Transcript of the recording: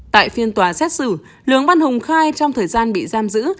tại phiên tòa xét xử lường văn hùng khai trong thời gian bị giam giữ